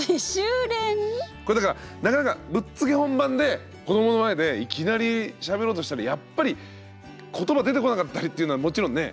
これだからなかなかぶっつけ本番で子どもの前でいきなりしゃべろうとしたらやっぱり言葉出てこなかったりっていうのはもちろんね。